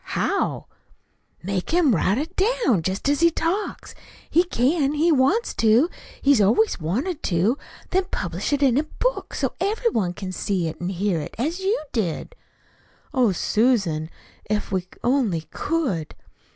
"How?" "Make him write it down, jest as he talks. He can he wants to. He's always wanted to. Then publish it in a book, so everybody can see it and hear it, as you did." "Oh, Susan, if we only could!"